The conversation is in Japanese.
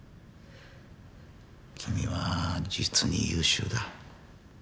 君は実に優秀だ。